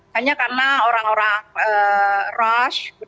hanya karena orang orang rush